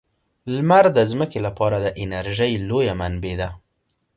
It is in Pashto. لمر د ځمکې لپاره د انرژۍ لویه منبع ده.